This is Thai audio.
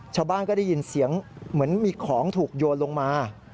ชาวบ้านก็ได้ยินเสียงเหมือนมีของถูกโยนลงมา